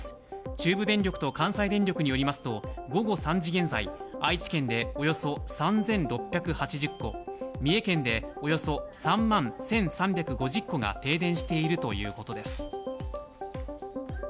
中部電力と関西電力によりますと、午後３時現在、愛知県でおよそ３６８０戸、三重県でおよそ３万１３５０戸が停電しているということです。